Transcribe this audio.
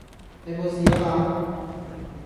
你冇事吖嘛?